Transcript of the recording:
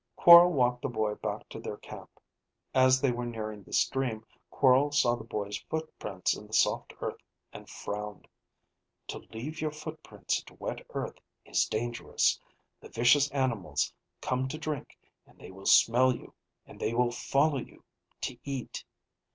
Quorl walked the boy back to their camp. As they were nearing the stream Quorl saw the boy's footprints in the soft earth and frowned. "To leave your footprints in wet earth is dangerous. The vicious animals come to drink and they will smell you, and they will follow you, to eat.